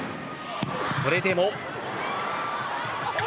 それでも。